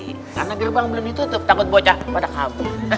karena gerbang belum ditutup takut bocah pada kamu